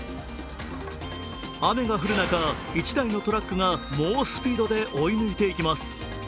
雨が降る中、１台のトラックが猛スピードで追い抜いていきます。